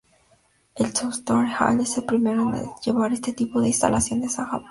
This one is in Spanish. El Suntory Hall es el primero en llevar este tipo de instalaciones a Japón.